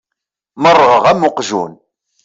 Merrɣeɣ am uqjun.